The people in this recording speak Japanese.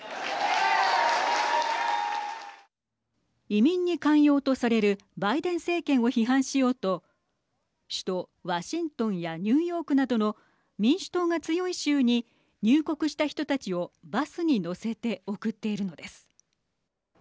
移民に寛容とされるバイデン政権を批判しようと首都ワシントンやニューヨークなどの民主党が強い州に入国した人たちをバスに乗せて送っているのです。